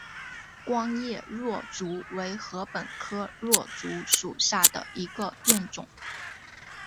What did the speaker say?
光叶箬竹为禾本科箬竹属下的一个变种。